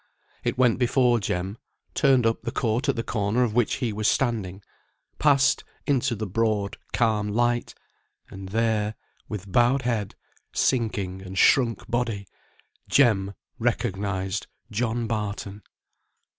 It went before Jem, turned up the court at the corner of which he was standing, passed into the broad, calm light; and there, with bowed head, sinking and shrunk body, Jem recognised John Barton.